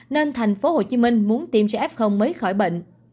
nên thành phố hồ chí minh muốn tiêm sẽ f mới khỏi bệnh